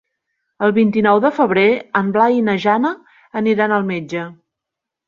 El vint-i-nou de febrer en Blai i na Jana aniran al metge.